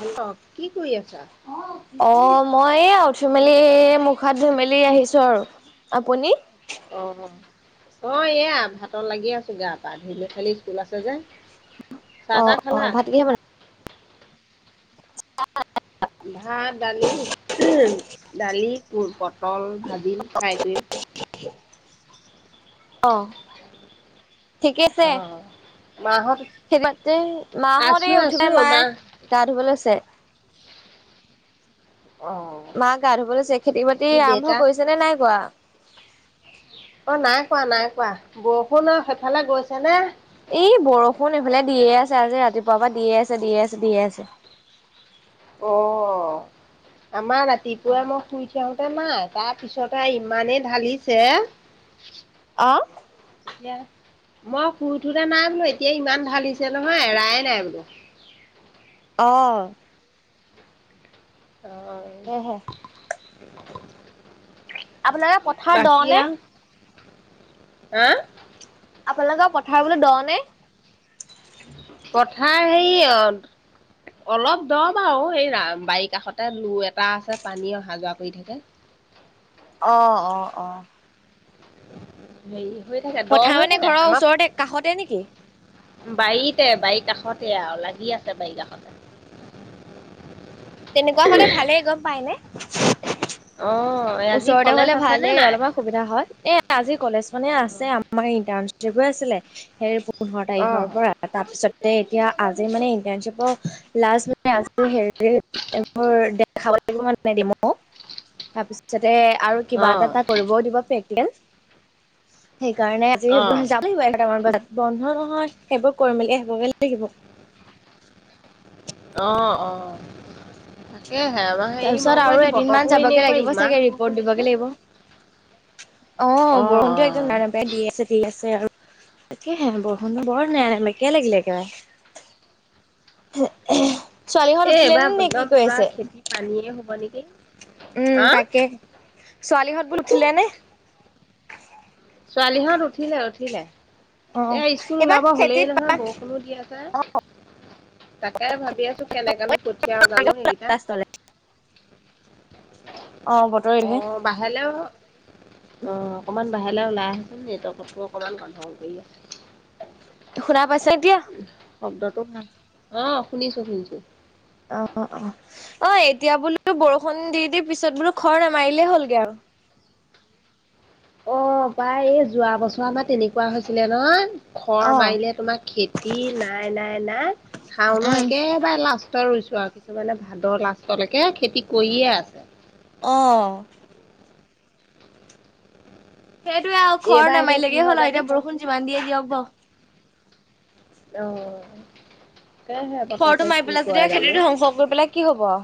Hello কি কৰি আছা? অ', কি কৰি আছা? মই এয়া উঠি মেলি মুখ হাত মেলি আহিছো আৰু আপুনি? অ'। অ, এয়া ভাতত লাগি আছো গা-পা ধুই কালি স্কুল আছে যে। অ চাহ-তাহ অ খালা? ভাত কিহে বনাই ভাত, দালি, দালি পত কল ভাজিম ফ্ৰাই কৰিম। অ', ঠিকেছে। অঁ মাহঁত মাহতে, আছো এই আছো মায়ে মা গা ধুব লৈছে। অঁ মা গা ধুব লৈছে। খেতি-বাতি বাকী আৰম্ভ দেউতা কৰিছে নে নাই কৰা? অ' নাই কৰা, নাই কৰা, বৰষুণ আৰু সেইফালে গৈছে নে? [unintelligible] অ', আমাৰ ৰাতিপুৱাই মই শুই। যাতে নাই তাৰ পিছতে ইমানেই ঢালিছে। অ'। এতিয়া, মই শুই উঠোতে নাই বুলু এতিয়া ইমান ঢালিছে নহয় এৰায়ে নাই বুলু। [inaudible] অ'। এ হে। আপোনালোকে পথাৰ দ বাকি নে আৰু হা? আপোনালোকৰ পথাৰ বুলু দ' নে? পথাৰ সেই অ অলপ দ' বাৰু, এই বাৰি কাষতে লু এটা আছে পানী অহা-যোৱা কৰি থাকে। অ', অ', অ'। হেৰি হৈ থাকে, দ' পথাৰ হৈ মানে থাকে। ঘৰৰ আমাক ওচৰতে কাষতে নেকি বাৰীতে, বাৰী কাষতে আৰু লাগি আছে বাৰী কাষতে। তেনেকুৱা হলে ভালে, গম পায়নে? অ' আজি ওচৰতে কলেজ হলে আছেনে ভালে নাই? অলপমান সুবিধা হয়। এ আজি কলেজ মানে আছে। আমাৰ ইণ্টাৰ্নশ্বিপ হৈ আছিলে। সেই পোন্ধৰ অ' তাৰিখৰ পৰা। তাৰপিছত এতিয়া আজি মানে ইণ্টাৰ্নশ্বিপৰ লাষ্ট মানে, আ হেৰি এইবোৰ দেখাব লাগিব মানে দিমো। তাৰপিছত আৰু কিবা এটা অ' এটা কৰিবও দিব পেকেজ। সেইকাৰণে আজি অ' সেইবোৰ যাবো অ' লাগিব এঘাৰোটা মান বজাত। বন্ধ নহয়, সেইবোৰ কৰি মেলি আহিব গৈ লাগিব। অ', অ'। তাকে হে, হেৰি মই তাৰপিছত বুলু আৰু আজি এদিনমান বতৰটোও যাবগে এনেকুৱা লাগিব চাগে ইমান ৰিপৰ্ট বৰষুন দিবগে দিছে। লাগিব [unintelligible] অ', বৰষুণটো একদম নেৰানেপেৰা দি আছে, দি আছে আৰু। তাকেহে বৰষুণটো বৰ নেৰা নেপেৰা‌ কে লাগিলে একেবাৰে। ছোৱালীহত এ উঠিলে এইবাৰ নে নে, কি একদম কৰি পুৰা আছে? খেতি পানীয়ে হ'ব নেকি উম হা তাকে। ছোৱালী ঘৰত বুলো উঠিলে নে? ছোৱালীহঁত উঠিলে-উঠিলে অ এ স্কুল এইবাৰ ওলাব হ'লেই খেতিত নহয়, বৰষুণো দি আছে। তাকে ভাবি আছোঁ, কেনেকনো পঠিয়াও জানো সেইকেইটা, লাষ্টলে। অ বতৰ অ এইটোহে। বাহলেও, অ অকমান বাহিৰলৈ ওলাই আহাচোন নেটৱৰ্কটো অকমান গোন্ধগোল কৰি আছে। পাইছে এতিয়া? শব্দটো অ শুনিছোঁ-শুনিছোঁ। অ অ অ এতিয়া বোলো বৰষুণ দি-দি পিছত বোলো খৰ নামাৰিলে হ'লগে আৰু। অ পাই এই যোৱা বছৰ মান তেনেকুৱা হৈছিলে নহয়। খৰ অ। মাৰিলে তোমাৰ খেতি নাই-নাই-নাই খাওনো উম একেবাৰে লাষ্ট ৰুইছো আৰু কিছুমানে ভাদৰ লাষ্টলৈকে খেতি কৰিয়ে আছে। আহ। সেইটোৱে আৰু, খৰ এইবাৰ এতিয়া কি নামাৰিলেগে হয় হ'ল আৰু, জানো এতিয়া বৰষুণ যিমান দিয়ে দিয়ক বৰু। অ' তাকেহে খৰটো বতৰটো মাৰি কি পেলাই যেতিয়া কয় খেতিটো জানোঁ? ধ্বংস কৰি পেলাই কি হ'ব আও।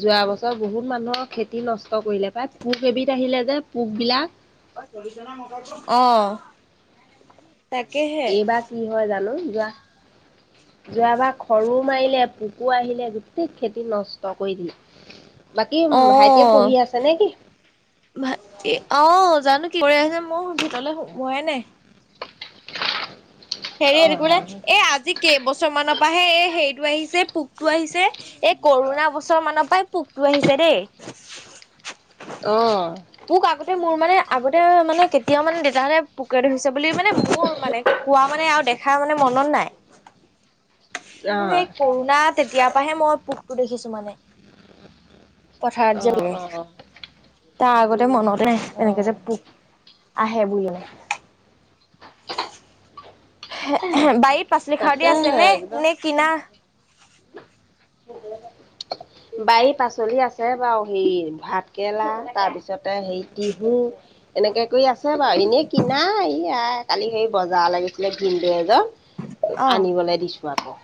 যোৱা বছৰ বহুত মানুহৰ খেতি নষ্ট কৰিলে প্ৰায় পোক এবিধ আহিলে যে পোক বিলাক আহ এইবাৰ কি হয় জানো। যোৱা যোৱাবাৰ খৰো মাৰিলে, পোকো আহিলে, গোটেই খেতি নষ্ট কৰি দিয়ে। [inaudible] [unintelligible] অ ভ আহ, জানো কি কৰি আ মোৰ ভিতৰলৈ সোমোৱাই নাই। হেৰি, অ', অ', এ আজি কেইবছৰ মানৰ পৰাহে এই হেৰিটো আহিছে পোক টো আহিছে। এই কৰোণা বছৰ মানৰ পৰাই পোকটো আহিছে দেই। অ', মোক আগতে মোৰ মানে আগতে মানে কেতিয়াও মানে দেউতাহঁতে পোকে ধৰিছে বুলি মানে মোৰ মানে কোৱা মানে আৰু দেখা মানে মনত নাই। কিন্তু সেই কৰোণা তেতিয়াৰ পৰাহে মই পোকটো দেখিছো মানে। পথাৰত যে অ', ৰোৱে, অ', তাৰ আগতে মানতে এনেকে যে অ', পোক আহে বুুলি বাৰীত পাচলি খাৰদি আছে তাকেহে নে একদম নে কিনা? বাৰী পাচলি আছে বাৰু, হেৰি ভাত কেৰেলা তাৰপিছতে টিহু এনেকে কৰি আছে বাৰু, এনেই কিনা। ই আই কালি হেৰি বজাৰলৈ গৈছিলে ভিনদো এজন অ আনিবলৈ দিছো আকৌ।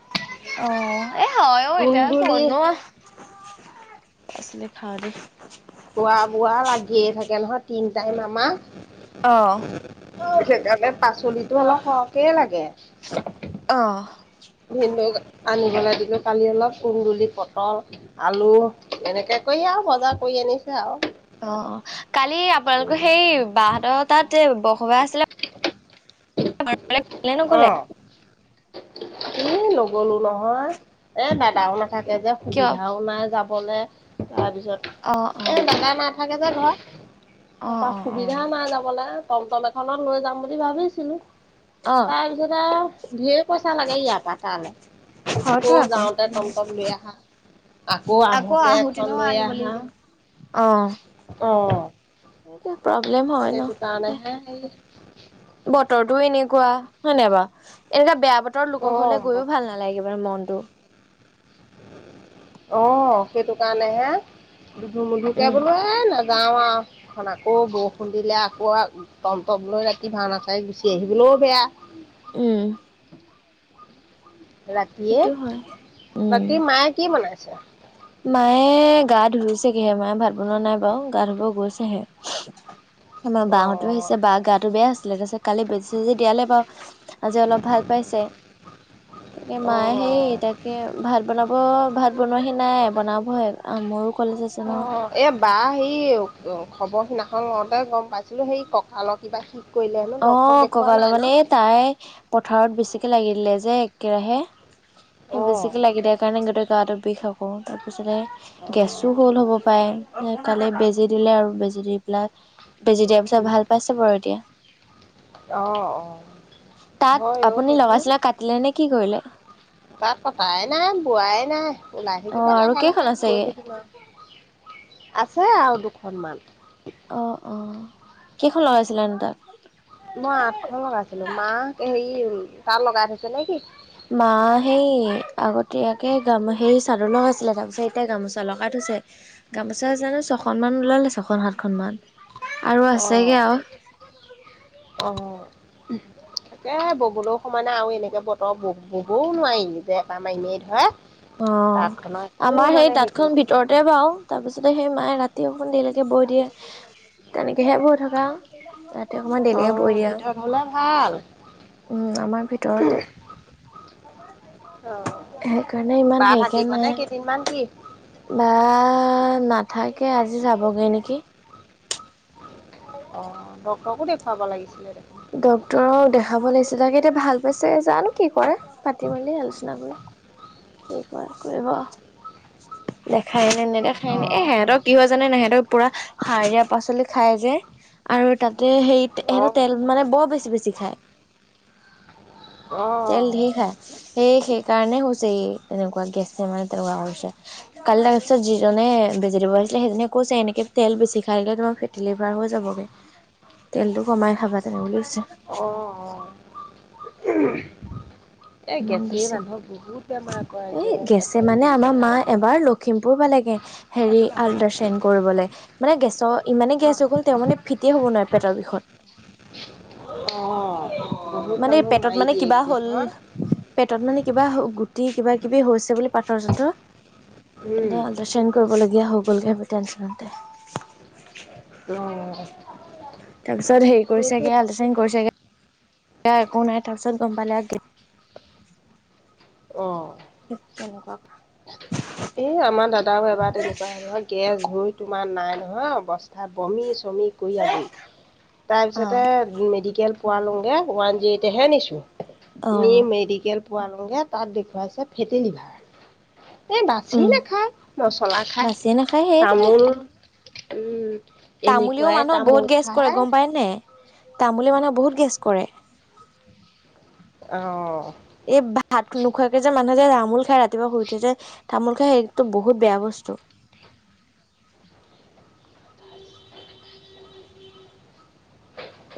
অ' এ হয় ও এতিয়া তুলতুলি কতনো পাচলি খাৰদি খোৱা বোৱা লাগিয়ে থাকে নহয় তিন টাইম আমাৰ। অ পিছে সেইকাৰণে পাচলিটো অলপ সৰহকে লাগে। অঁ ভিন্দৌক আনিবলৈ দিবি। কালি অলপ কুন্দুলি, পটল, আলু, এনেকে কৰি আৰু বজাৰ কৰি আনিছে আৰু। অ অ কালি আপোনালোকৰ সেই বাহঁতৰ তাত যে বৰসবাস আছিলে [unintelligible] উ নগলো নহয় এ দাদাও নাথাকে যে কিয়? সুবিধাও নাই যাব লে তাৰপিছত অ অ এ দাদা নাথাকে যে ঘৰত। অ তাৰপা অ সুবিধা নাই যাবলৈ টম টম এখনত লৈ যাম বুলি ভাবিছিলোঁ। অ তাৰপিছতে আৰু ধেৰ পইচা লাগে ইয়াৰ পৰা তালৈ। আকৌ যাওঁতে টমটম লৈ আহাঁ। আকৌ আহোতে এখন আহোতেনেও লৈ আনিব আহা। লাগিব। অ' এটোয়া প্ৰব্লেম হয় ন। সেইটো দে কাৰণেহে হেৰি বতৰটোও এনেকুৱা হয়নে বাৰু? এনেকা বেয়া বতৰত লোকৰ ঘৰলে অ গৈয়ও ভাল নালাগে বাৰু মনতটো। অ' সেইটো কাৰণে হে বিধু মধুকে উম বোলো এ নাজ যাওঁ আহ এখন আকৌ বৰষুণ দিলে আকৌ টমটমলৈ ৰাতি ভাওনা চাই গুচি আহিবলৈও বেয়া। উম ৰাতিয়ে, সেইটো হয় উম। বাকী মায়ে কি বনাইছে? এ গা ধুইছে গিহে, মায়ে ভাত বনোৱা নাই বাৰু, গা ধুব গৈছেহে। আমাৰ বাহ'তো অ', আহিছে। বাৰ গাটো বেয়া আছিলে, তাৰপিছত কালি বেজি চেজি দিয়ালে বাৰু আজি অলপ ভাল পাইছে। তাকে মায়ে হে অ', তাকে ভাত বনাব ভাত বনোৱাহি নাই মোৰ [unintelligible] অ' এ বা হেৰি খবৰ সিনাখন লওঁতে গম পাইছিলো সেই কঁকালৰ কিবা শিক অ' ককাল মানে এই তাই পথাৰত বেছিকে লাগিলে যে একেৰাহে। সেই অ', বেছিকে লাগি দিয়াৰ কাৰণে গোটেই গাটো বিষ আকৌ। তাৰ পিছতে অ', গেছো হ'ল হ'ব পাৰে, কালি বেজি দিলে, আৰু বেজি দি পেলাই বেজি দিয়াৰ পিছত ভাল পাইছে বাৰু এতিয়া। অ' অ' তাত হয় অ', আপুনি লগাইচিলে কাটিলে নে কি কৰিলে? তাতঁ কতাই নাই, বোৱাই নাই ওলাই অ থাকিবা আৰু লাহে কেইখন লাহে, গৈ আছেগে? থাকিম আৰু আছে আৰু দুখনমান। অ' অ' কেইখন লগাইছিলনো তাঁত? মই আঠখন লগাইছিলো। মাক হেৰি তাঁত লগাই থৈছে নে কি? মা সেই আগতীয়াকে গাম সেই চাদৰ লগাইছিলে তাৰ পিছত এতিয়া গামোচা লগাই থৈ গামোচা জানো ছখন মান ওলালে ছখন সাতখনন মান। আৰু আছেগে আৰু। অঁ তাকে ববলৈও সময় নাই আৰু এনেকে বতৰ ববও নোৱাৰি যেৰেপা মাৰি মাৰি ধৰে। অ' তাঁতখনৰ একো আমাৰ সেই মানে হেৰি কৰিব তাঁতখন নোৱাৰি ভিতৰতে বাও। তাৰপিছতে সেই মায়ে ৰা তি অকন ধৰিকে বৈ দিয়ে। তেনেকে তিহে বৈ থকা আৰু ৰাতি অকমান দেইলেকে বৈ অ' দিয়ে আৰু। ভিতৰত হ'লে ভাল উম আমাৰ ভিতৰতে অ' সেইকাৰণে ইমান বা সেকে থাকিবনে নাই। কেইদিনমান কি বা নাথাকে আজি যাবগে নেকি। অ' ডক্তৰকো দেখুৱাব লাগিছিলে। দেখোন ডক্তৰক দেখাব লাগছিলে, আগতকে এতিয়া ভাল পাইছে জানো কি কৰে। পাতি মেলি জানো কি কৰে কৰিব। খাইনে নে নেদেখাইনে এ অ' সিহঁতৰ কি হয় জানে ন সিহ'তৰ পুৰা সাৰ দিয়া পাচলি খাই যে, আৰু তাত তে সেই সিহঁতে অ' তেল মানে বৰ বেছি বেছি খায়। অ' তেল অ' ঢেৰ খায়। সেই সেইকাৰণে হৈছে এইৰ। তেনেকুৱা গেছে মাৰি তেনেকুৱা হৈছে। কালি তাৰপিছত যিজনে বেজি দিবলে আহিছিলে সেইজনে কৈছে এনেকে তেল বেছি খাই দিলে তোমাৰ ফেটিলিভাৰ হৈ যাবগে। তেলতটো কমাই খাবা তেনে বুলি কৈছে। উম [unintelligible] এই ইমান গেছেই বেছি মানুহক বহুত বেমাৰ কৰে। এই গেছ গেছে এপেণ্ডিচ তাকে হেৰি আল্ট্ৰাচাউন কৰিবলে। মানে গেছৰ ইমানে গেছ অ' হৈ গ'ল তেওঁ মানে ফিট হ'ব নোৱাৰে। পেটৰ বিষত। অ', বহুত মানে মানুহ পেটত মাৰি মানে কিবা দিয়েগে হ'ল, নহয়। পেটত মানে কিবা গুটি কিবা কিবি হৈছে বুলি পাথৰ চাথৰ উম। একদম আল্ট্ৰাচাউণ্ড কৰিবলগীয়া হৈ গ'লগে। টনচনতে। উম [unintelligible] তাৰপিছত হেৰি কৰিছাগে আল্টাচাউণ্ড কৰিছেগে। তিয়া একো নাই তাৰপিছত গম্ পালে আগে। অ' তেনেকুৱা [unintelligible] তাৰো এবাৰ তেনেকুৱা নহয় গেছ হুই তোমাৰ নাই নহয় অৱস্থা, বমি বমি কৰি আজৰি। তাৰ অ পাছতে মেডিকেল পোৱালোংগে, ওৱান জি'ৰ এ'টহে নিছোঁ, অ নি মেডিকেল পোৱালোংগে তাত দেখুওৱাইছে ফেটেলিভাৰ। এই বাচি উম নাখায় মচলা খায়, বাচিয়ে নাখায় তামোল, উম তামলেও এনেকুৱাই মানুহক তামোল বহুত গেছ কৰে খায়, গম পায় নে, তামোলে মানুহক বহুত গেছ কৰে। অ' এই ভাত নোখোৱাকে যে মানুহ যে ৰামোল খাই ৰাতিপুৱা শুই উঠে যে তামোল খাই সেইতটো বহুত বেয়া বস্তু। [inaudible]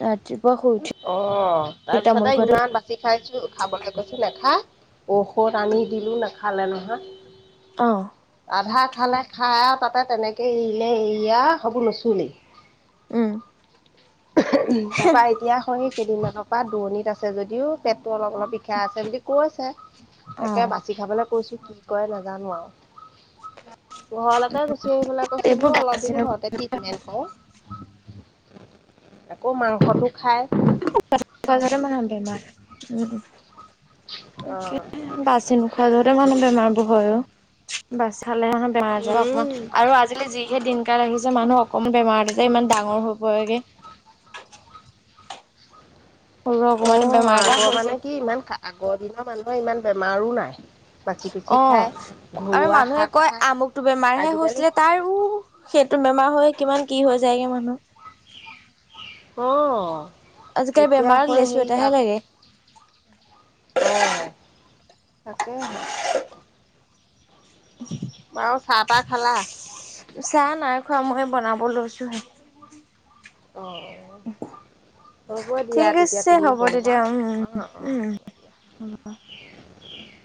ৰাতিপুৱা শুই উঠি অ' তামোল তাৰপিছতে খোৱাটো ইমান বাচি খাইছো খাবলৈ কৈছো নাখা। ঔষধ আনি দিলো নাখালে নহয়। অহ আধা খালে খাই আৰু তাতে তেনেকে এৰিলে এৰি আৰু হেই বোৰ নুচুলেই। উম তাৰপা এতিয়া সৈ কেইদিনাকৰ পৰা দূৰণিত আছে যদিও পেট এটিৱাও অলপ অলপ বিষাই আছে বুলি কৈছে। তাকে অ', বাচি খাবলৈ কৈছোঁ কি কৰে নাজানো আৰু। ঘৰলৈকে গুচি আহিবলৈ কৈছো এইবোৰ বোলো অলপ বাচি দিন ঘৰতে ট্ৰিটমেন্ট কৰ। আকৌ মাংসতটো খাই। নোখোৱা যহতে মানুহৰ বেমাৰ। উম। অ', বাচি নোখোৱা যহতে মানুহ বোৰ বেমাৰবোৰ হয়, বাচি খালে হে বেমাৰ আ অকণমান উম। আৰু আজিলি যিহে দিনকাল আহিছে। মানুহ অকণমান বেমাৰতে যে ইমান ডাঙৰ হৈ হয়েগে। সৰু অকমানি আহ বেমাৰ এটা আগৰ হৈছে। মানে কি ইমান আগৰ দিনৰ মানুহৰ ইমান বেমাৰো নাই। বাচি কুচি অ' খায় আৰু ঘৰুৱা মানুহে শাক কয় খায় আমুকটো বেমাৰহে আজিকালি হৈছিলে তাৰও সেইটো বেমাৰৰ বেমাৰহ হয় কিমান কি হৈ যায়গৈ মানুহ। অ' আজিকালি এতিয়া বেমাৰক হয় লেচু সেইৰি এটাহে লাগে। তাকেহে [inaudible] আৰু চাহ তাহ খালা। চাহ নাই খোৱা মই বনাব লৈছোহে। অঁ হ'ব [inaudible] দিয়া ঠিক তেতিয়া আছে তুমি হ'ব বনোৱা তেতিয়া উম, অঁ অঁ উম, হ'ব দিয়া উম। [inaudible]